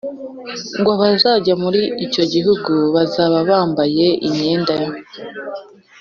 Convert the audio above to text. guabazajya muri icyogihu bazaba bambaye imyenda year